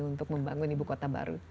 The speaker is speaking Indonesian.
untuk membangun ibu kota baru